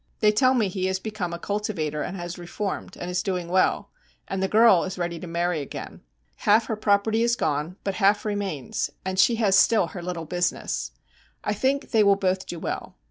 They tell me he has become a cultivator and has reformed, and is doing well; and the girl is ready to marry again. Half her property is gone, but half remains, and she has still her little business. I think they will both do well.